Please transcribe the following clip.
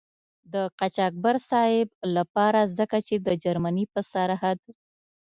د قاچاقبر صاحب له پاره ځکه چې د جرمني په سرحد.